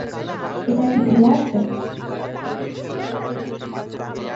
এটা কি ফিরে আসবে?